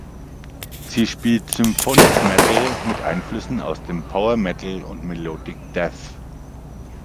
Sie spielt Symphonic Metal mit Einflüssen aus dem Power Metal und Melodic Death.